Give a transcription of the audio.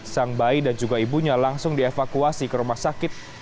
sang bayi dan juga ibunya langsung dievakuasi ke rumah sakit